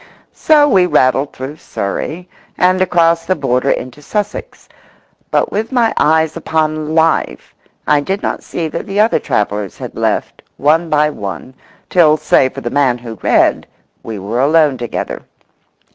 So we rattled through Surrey and across the border into Sussex. But with my eyes upon life I did not see that the other travellers had left, one by one, till, save for the man who read, we were alone together.